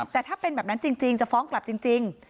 แต่ถ้าเป็นแบบนั้นจริงจะฟ้องกลับจริง